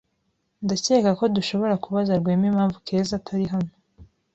Ndakeka ko dushobora kubaza Rwema impamvu Keza atari hano.